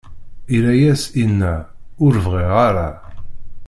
Irra-as, inna: Ur bɣiɣ ara.